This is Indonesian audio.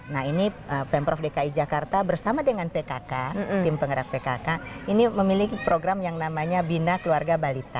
nah ini pemprov dki jakarta bersama dengan pkk tim penggerak pkk ini memiliki program yang namanya bina keluarga balita